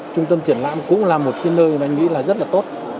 trung tâm triển lãm cũng là một cái nơi mà anh nghĩ là rất là tốt